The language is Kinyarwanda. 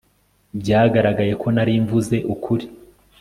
byaragaragaye ko nari mvuze ukuri